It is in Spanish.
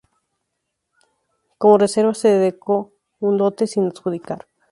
Como reserva se dejó un lote sin adjudicar.